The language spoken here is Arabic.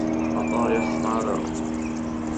خطايا الشعراء